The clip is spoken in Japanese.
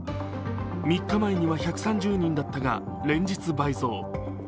３日前には１３０人だったが連日、倍増。